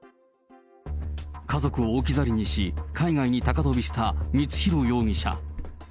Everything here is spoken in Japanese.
家族を置き去りにし、海外に高飛びした光弘容疑者。